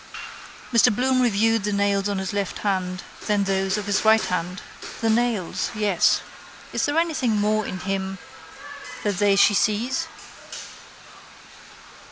Mr Bloom reviewed the nails of his left hand, then those of his right hand. The nails, yes. Is there anything more in him that they she sees?